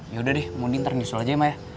ya udah deh mending ntar nyusul aja ya maya